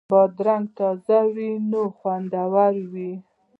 بادرنګ تازه وي نو خوندور وي.